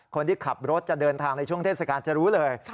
คนที่ขับรถจะเดินทางในช่วงเทศกาลจะรู้เลย